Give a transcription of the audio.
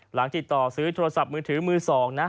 หลังติดต่อซื้อโทรศัพท์มือถือมือ๒นะ